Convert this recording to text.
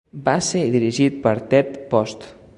Va ser dirigit per Ted Post.